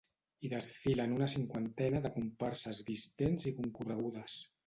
Hi desfilen una cinquantena de comparses vistents i concorregudes.